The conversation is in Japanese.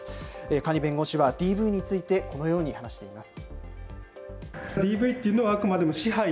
可児弁護士は、ＤＶについてこのように話しています。